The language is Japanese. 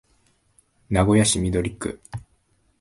名古屋市緑区